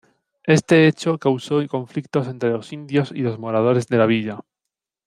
Este hecho causó conflictos entres los indios y los moradores de la villa.